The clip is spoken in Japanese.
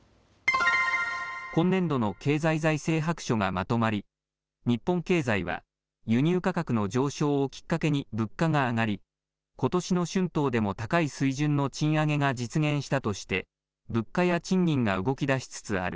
今年度の経済財政白書がまとまり、日本経済は輸入価格の上昇をきっかけに物価が上がりことしの春闘でも高い水準の賃上げが実現したとして物価や賃金が動き出しつつある。